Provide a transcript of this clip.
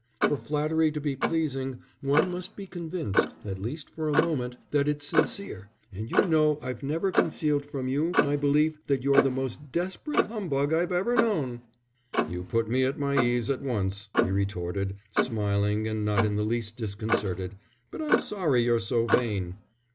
For flattery to be pleasing one must be convinced, at least for a moment, that it's sincere, and you know I've never concealed from you my belief that you're the most desperate humbug I've ever known." "You put me at my ease at once," he retorted, smiling and not in the least disconcerted. "But I'm sorry you're so vain."